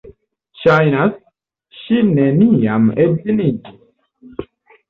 Ŝajnas, ŝi neniam edziniĝis.